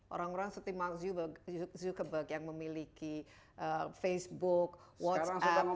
orang orang seperti zuckerberg yang memiliki facebook whatsapp